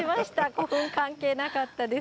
古墳関係なかったです。